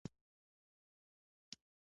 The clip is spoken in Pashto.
په لا محسوس ډول پر فکر او فرهنګ اغېز وغورځوي.